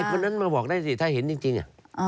คนนั้นมาบอกได้สิถ้าเห็นจริง